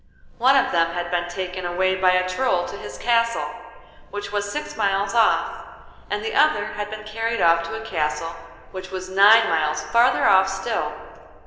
One of them had been taken away by a Troll to his castle, which was six miles off, and the other had been carried off to a castle which was nine miles farther off still.